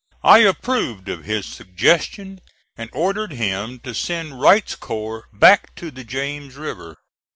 I approved of his suggestion, and ordered him to send Wright's corps back to the James River.